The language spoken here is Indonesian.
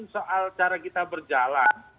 soal cara kita berjalan